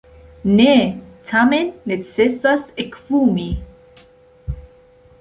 Ne, tamen necesas ekfumi.